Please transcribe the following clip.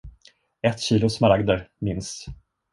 Ett kilo smaragder, minst!